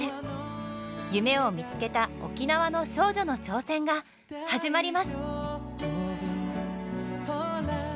夢を見つけた沖縄の少女の挑戦が始まります！